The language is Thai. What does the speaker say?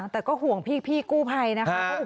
แต่ก็ห่วงพี่กู้ไพนะครับ